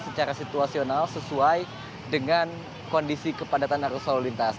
secara situasional sesuai dengan kondisi kepadatan arus lalu lintas